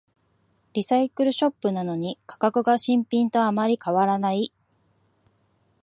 リサイクルショップなのに価格が新品とあまり変わらない